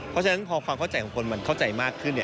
เพราะฉะนั้นพอความเข้าใจของคนมันเข้าใจมากขึ้น